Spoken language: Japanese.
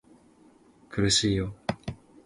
苦しいよ